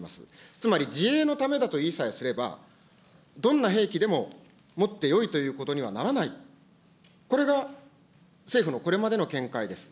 つまり、自衛のためだと言いさえすれば、どんな兵器でも持ってよいということにはならない、これが政府のこれまでの見解です。